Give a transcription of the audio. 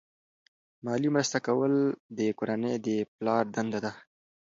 مالی مرسته کول د کورنۍ د پلار دنده ده.